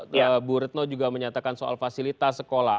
tadi bu retno juga menyatakan soal fasilitas sekolah